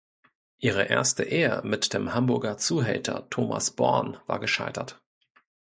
Ihre erste Ehe mit dem Hamburger Zuhälter Thomas Born war gescheitert.